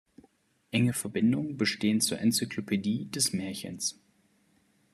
Enge Verbindungen bestehen zur "Enzyklopädie des Märchens".